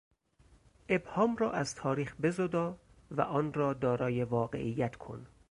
ابهام را از تاریخ بزدا و آن را دارای واقعیت کن.